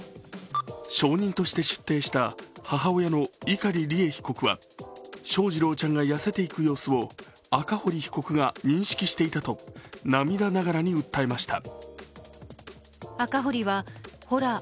証人として出廷した赤堀恵美子被告は翔士郎ちゃんが痩せていく様子を赤堀容疑者が認識していたと涙ながらに訴えました。